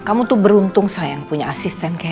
kamu tuh beruntung sayang punya asisten kayak